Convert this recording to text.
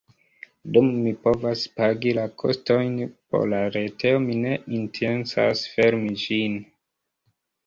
Dum mi povas pagi la kostojn por la retejo mi ne intencas fermi ĝin.